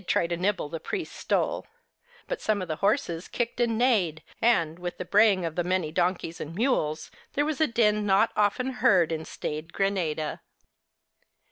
The Holidays 61 to nibble the priests stole ; but some of the horses kicked and neighed, and, with the bray ing of the many donkeys and mules, there was a din not often heard in staid Granada.